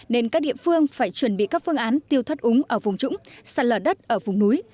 nên các địa phương phải chuẩn bị các phương án tiêu thoát úng ở vùng trũng sạt lở đất ở vùng núi